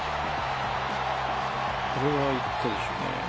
これは行ったでしょうね。